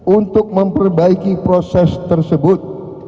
untuk memperbaiki proses tersebut